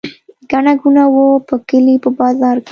ګڼه ګوڼه وه په کلي په بازار کې.